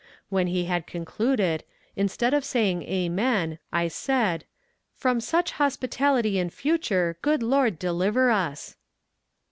When he had concluded, instead of saying amen, I said: "from such hospitality in future, good Lord deliver us."